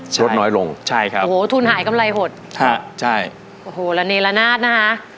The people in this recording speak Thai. ลดน้อยลงใช่ครับโอ้โหทุนหายกำไรหดฮะใช่โอ้โหระเนละนาดนะคะ